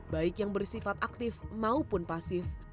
baik yang bersifat aktif maupun pasif